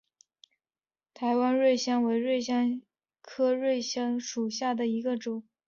台湾瑞香为瑞香科瑞香属下的一个种。